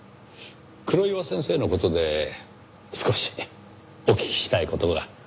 黒岩先生の事で少しお聞きしたい事が。